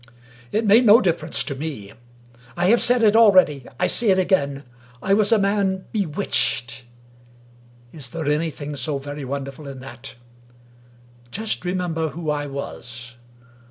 It made no difference to tne. I have said it already — I say it again — I was a man be witched. Is there anything so very wonderful in that? Just remember who I was.